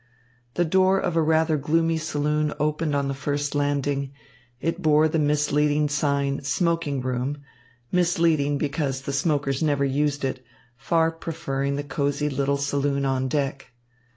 The door of a rather gloomy saloon opened on the first landing. It bore the misleading sign "smoking room," misleading because the smokers never used it, far preferring the cosey little saloon on deck.